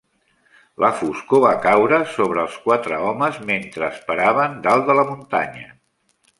La foscor va caure sobre els quatre homes mentre esperaven dalt de la muntanya.